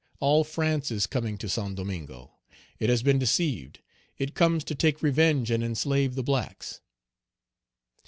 All France is coming to Saint Domingo. It has been deceived; it comes to take revenge and enslave the blacks."